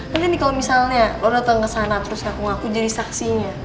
kan ini kalo misalnya lo dateng ke sana terus ngaku ngaku jadi saksinya